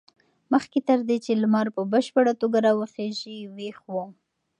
مخکې تر دې چې لمر په بشپړه توګه راوخېژي ویښ و.